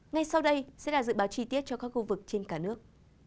ngay sau đây sẽ là dự báo chi tiết cho các khu vực trên cả nước